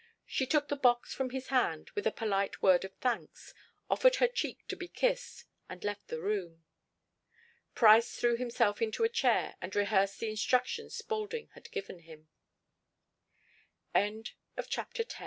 She took the box from his hand with a polite word of thanks, offered her cheek to be kissed, and left the room. Price threw himself into a chair and rehearsed the instructions Spaulding had given him. CHAPTER XI It was half past e